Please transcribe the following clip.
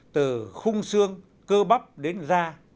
từ khung xương cơ bắp đến da